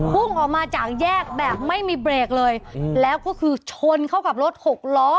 พุ่งออกมาจากแยกแบบไม่มีเบรกเลยแล้วก็คือชนเข้ากับรถหกล้อ